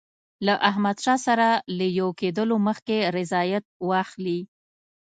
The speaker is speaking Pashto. له احمدشاه سره له یو کېدلو مخکي رضایت واخلي.